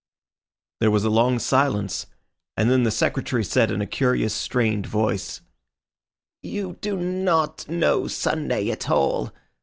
There was a long silence, and then the Secretary said in a curious, strained voice— "You do not know Sunday at all.